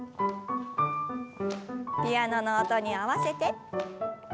ピアノの音に合わせて。